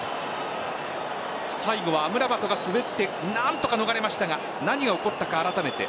最後はアムラバトが滑って何とか逃れましたが何が起こったかあらためて。